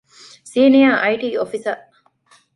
ސީނިއަރ އައި.ޓީ އޮފިސަރ